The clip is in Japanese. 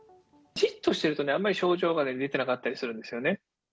じっとしてるとね、あまり症状が出てなかったりするんですよね。